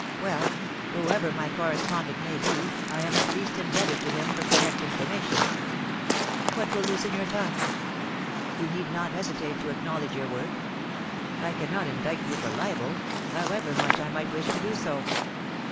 Well, whoever my correspondent may be, I am at least indebted to him for correct information. What will loosen your tongue ? You need not hesitate to acknow ledge your work. I cannot indict you for libel, however much I might wish to do so.'